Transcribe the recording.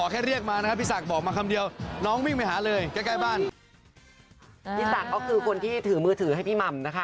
ยืนยันนะคะว่าพี่หม่ำไม่มี